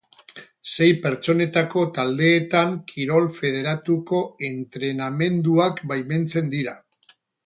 Sei pertsonetako taldeetan kirol federatuko entrenamenduak baimentzen dira.